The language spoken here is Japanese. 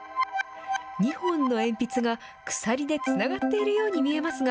日本の鉛筆が鎖でつながっているように見えますが。